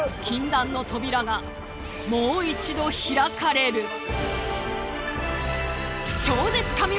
禁断の扉がもう一度開かれる。